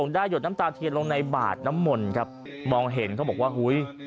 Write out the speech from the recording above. หยดน้ำตาเทียนลงในบาดน้ำมนต์ครับมองเห็นเขาบอกว่าอุ้ย